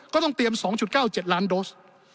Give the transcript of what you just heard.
ก็ต้องเตรียม๒๙๗ล้านโดส